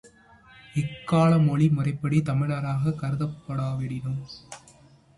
இக்கால மொழி முறைப்படி தமிழராகக் கருதப்படாவிடினும்